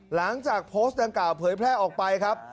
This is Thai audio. หลังจากโพสต์ดังกล่าวเผยแพร่ออกไปครับ